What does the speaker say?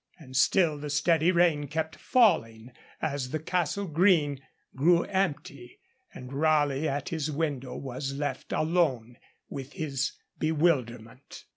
And still the steady rain kept falling as the Castle Green grew empty, and Raleigh at his window was left alone with his bewilderment.